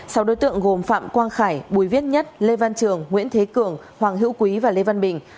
sau đối tượng gồm phạm quang khải bùi viết nhất lê văn trường nguyễn thế cường hoàng hữu quý và lê văn bình